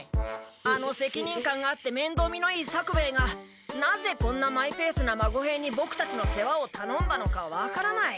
あの責任感があってめんどうみのいい作兵衛がなぜこんなマイペースな孫兵にボクたちの世話をたのんだのか分からない。